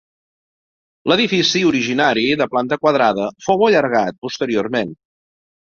L'edifici originari de planta quadrada fou allargat posteriorment.